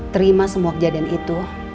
terima semua kejadian itu